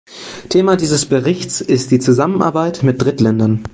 Thema dieses Berichts ist die Zusammenarbeit mit Drittländern.